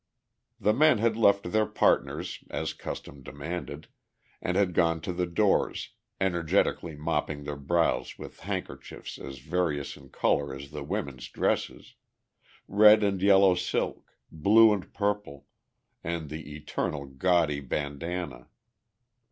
The men had left their partners, as custom demanded, and had gone to the doors, energetically mopping their brows with handkerchiefs as various in colour as the women's dresses; red and yellow silk, blue and purple, and the eternal gaudy bandana.